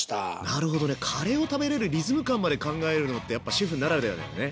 なるほどねカレーを食べれるリズム感まで考えるのってやっぱシェフならではだよね。